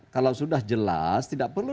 kalau sudah jelas tidak perlu